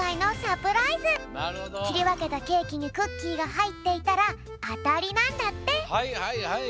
きりわけたケーキにクッキーがはいっていたらアタリなんだって！